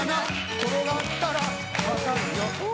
転がったら、分かるよ。